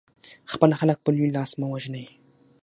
خپل خلک په لوی لاس مه وژنئ.